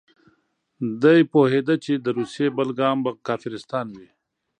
ده پوهېده چې د روسیې بل ګام به کافرستان وي.